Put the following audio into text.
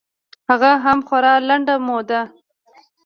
هغه هم خورا لنډه موده.